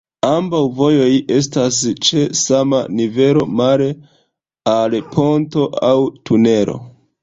Ambaŭ vojoj estas ĉe sama nivelo, male al ponto aŭ tunelo.